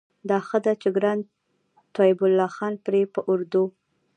دا ښه ده چې ګران طيب الله خان پرې په اردو